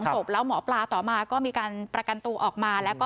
ศพแล้วหมอปลาต่อมาก็มีการประกันตัวออกมาแล้วก็